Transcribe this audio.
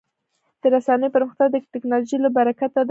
د رسنیو پرمختګ د ټکنالوژۍ له برکته دی.